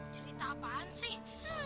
cerita apaan sih